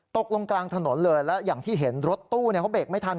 ตกลงกลางถนนเลยแล้วอย่างที่เห็นรถตู้เขาเบรกไม่ทัน